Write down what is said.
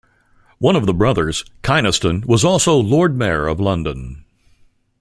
One of the brothers, Kynaston was also Lord Mayor of London.